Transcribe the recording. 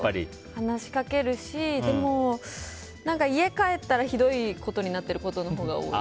話しかけるし、でも家帰ったら、ひどいことになっていることが多い。